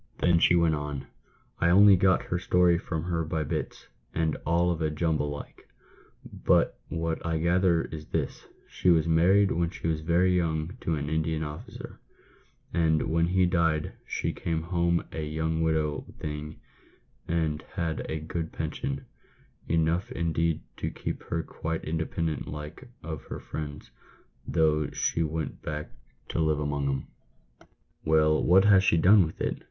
Then she went on, " I only got her story from her by bits, and all of a jumble like ; but what I gather is this : She was married when she was very young to an Indian officer, and when he died she came home a young widow thing, and had a good pension — enough, indeed, to keep her quite independent like of her friends, though she went back to live among 'em." " Well, what has she done with it